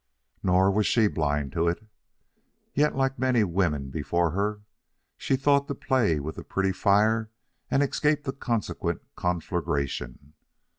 Nor was she blind to it yet, like many women before her, she thought to play with the pretty fire and escape the consequent conflagration.